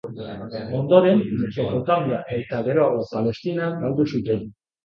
Ondoren Mesopotamia eta geroago Palestina galdu zuten.